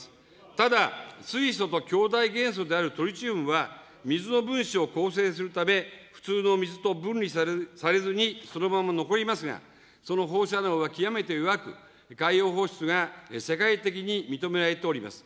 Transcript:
ただ、水素と兄弟元素であるトリチウムは、水の分子を構成するため、普通の水と分離されずにそのまま残りますが、その放射能は極めて弱く、海洋放出が世界的に認められております。